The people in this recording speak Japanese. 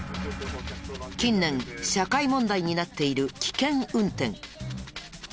近年社会問題になっている危険運転。